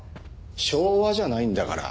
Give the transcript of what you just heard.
昭和じゃないんだから。